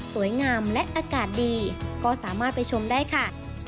สวยงามและอากาศดีก็สามารถไปชมได้ค่ะ